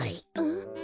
ん？